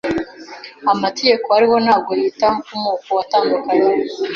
Amategeko ariho ntabwo yita ku moko atandukanye.